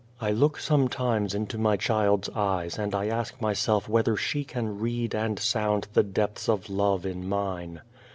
I look sometimes into my child's eyes and I ask myself whether she can read and sound the depths of love in mine.